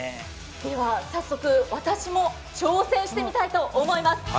早速私も挑戦してみたいと思います。